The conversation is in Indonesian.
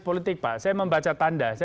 politik pak saya membaca tanda